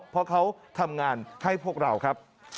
เพราะเขาทำงานให้พวกเราครับ